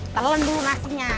terlalu nunggu nasinya